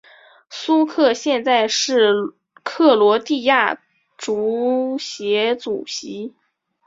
苏克现在是克罗地亚足协主席。